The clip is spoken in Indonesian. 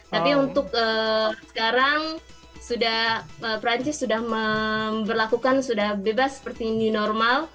tapi untuk sekarang perancis sudah berlakukan sudah bebas seperti new normal